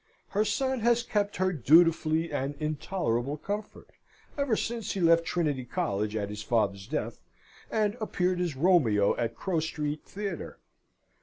Her son has kept her dutifully and in tolerable comfort, ever since he left Trinity College at his father's death, and appeared as Romeo at Crow Street Theatre.